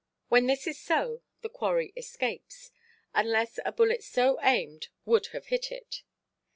When this is so, the quarry escapes; unless a bullet so aimed would have hit it.